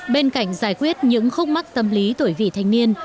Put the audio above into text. bên cạnh giải quyết những khúc mắc tâm lý tuổi vị thanh niên